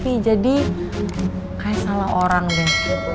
kayaknya salah orang deh